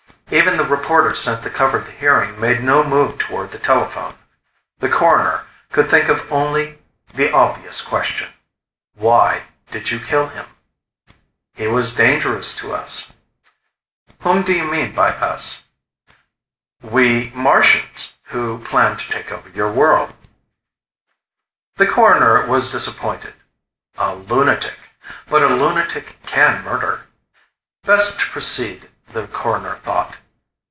Even the reporter sent to cover the hearing made no move toward the telephone. The Coroner could think of only the obvious question: "Why did you kill him?" "He was dangerous to us." "Whom do you mean by us?" "We Martians, who plan to take over your world." The Coroner was disappointed. A lunatic. But a lunatic can murder. Best to proceed, the Coroner thought.